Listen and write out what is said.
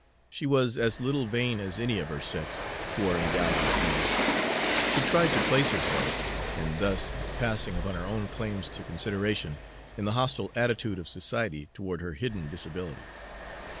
She was as little vain as any of her sex who are endowed with beauty. She tried to place herself, in thus passing upon her own claims to consideration, in the hostile attitude of society toward her hidden disability.